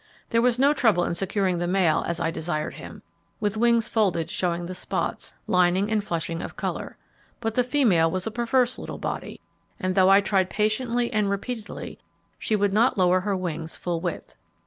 There was no trouble in securing the male as I desired him, with wings folded showing the spots, lining and flushing of colour. But the female was a perverse little body and though I tried patiently and repeatedly she would not lower her wings full width.